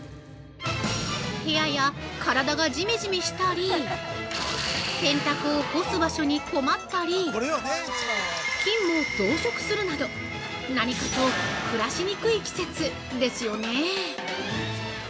部屋や体が、じめじめしたり洗濯を干す場所に困ったり、菌も増殖するなど、何かと暮らしにくい季節ですよね。